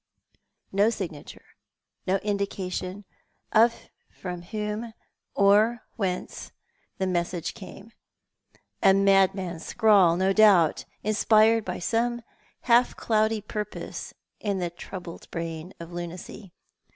No signature; no indication of from whom or whence the message came. A madman's scrawl, no doubt, inspired by some half cloudy purpose in the troubled brain of lunacy.